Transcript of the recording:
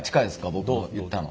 僕言ったの。